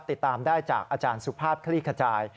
ติดตามได้จากอสุภาพคลิกระจาย